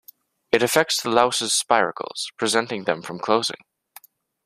It affects the louse's spiracles, preventing them from closing.